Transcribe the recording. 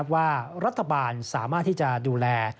ว่ารัฐบาลสามารถที่จะดูแล